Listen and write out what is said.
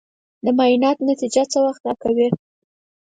د معاینات نتیجه څه وخت راکوې؟